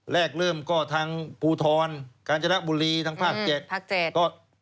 แรกเริ่มก็ทางภูทรการจนกบุรีทางภาคเจ็ด